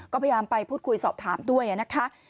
ก็พยายามไปพูดคุยสอบถามด้วยนะคะ